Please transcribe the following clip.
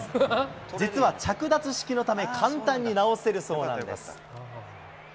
実は着脱式のため、簡単に直せるそうなんです。